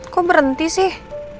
kok berhenti sih